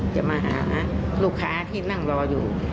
จะมาหาลูกค้าที่นั่งรออยู่